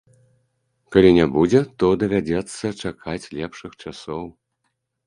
Калі не будзе, то давядзецца чакаць лепшых часоў.